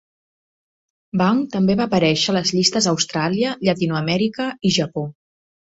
Vaughn també va aparèixer a les llistes a Austràlia, Llatinoamèrica i Japó.